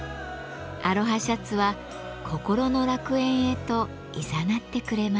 アロハシャツは心の楽園へといざなってくれます。